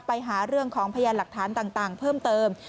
ไปหาเรื่องของพยานหลักฐานต่างเพิ่มเติม